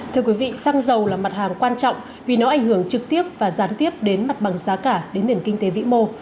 thưa quý vị xăng dầu là mặt hàng quan trọng vì nó ảnh hưởng trực tiếp và gián tiếp đến mặt bằng giá cả đến nền kinh tế vĩ mô